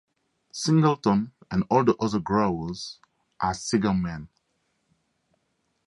Singleton and all the other growers are cigar men.